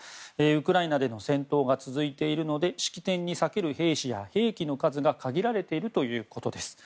ウクライナでの戦闘が続いているので式典に避ける兵士や兵器の数が限られているということです。